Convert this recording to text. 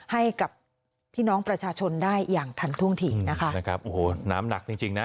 ให้กับพี่น้องประชาชนได้อย่างทันท่วงทีนะคะนะครับโอ้โหน้ำหนักจริงจริงนะ